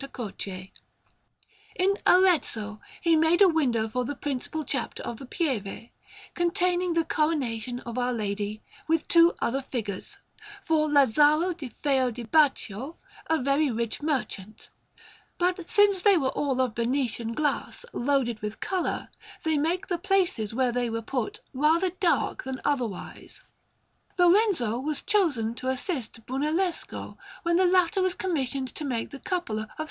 Croce. In Arezzo he made a window for the principal chapel of the Pieve, containing the Coronation of Our Lady, with two other figures, for Lazzaro di Feo di Baccio, a very rich merchant; but since they were all of Venetian glass, loaded with colour, they make the places where they were put rather dark than otherwise. Lorenzo was chosen to assist Brunellesco, when the latter was commissioned to make the Cupola of S.